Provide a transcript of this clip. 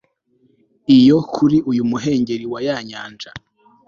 iyo, kuri uyu muhengeri waya nyanja